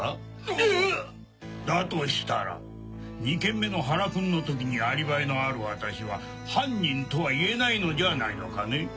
えっ⁉えっ⁉だとしたら２件目の原君の時にアリバイのある私は犯人とは言えないのじゃないのかね？